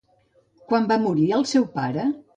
Quan va morir el seu pare?